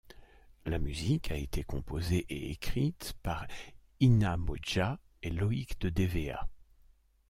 La musique a été composée et écrite par Inna Modja et Loïc de Dévéhat.